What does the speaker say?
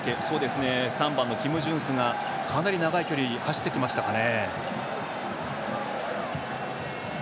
３番のキム・ジンスが、かなり長い距離を走ってきましたかね。